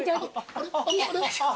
あれ？